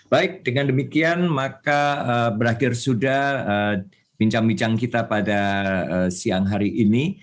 baik dengan demikian maka berakhir sudah bincang bincang kita pada siang hari ini